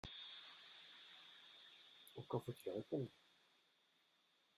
Encore faut-il répondre !